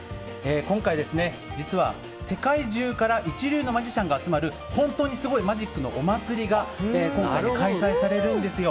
今回、実は世界中から一流のマジシャンが集まる本当にすごいマジックのお祭りが今回開催されるんですよ。